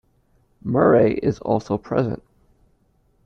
Murray is also present.